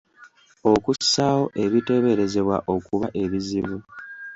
Okussaawo ebiteeberezebwa okuba ebizibu.